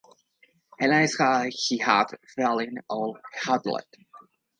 He lay as he had fallen, all huddled.